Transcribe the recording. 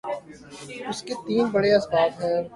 اس کے تین بڑے اسباب ہیں۔